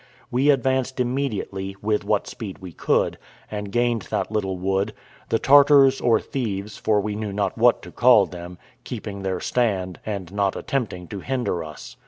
We advanced immediately, with what speed we could, and gained that little wood; the Tartars, or thieves, for we knew not what to call them, keeping their stand, and not attempting to hinder us.